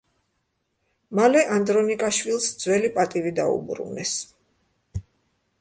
მალე ანდრონიკაშვილს ძველი პატივი დაუბრუნეს.